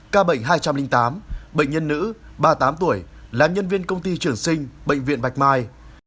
ca bệnh hai trăm linh tám bệnh nhân nữ ba mươi tám tuổi là nhân viên công ty trường sinh bệnh viện bạch mai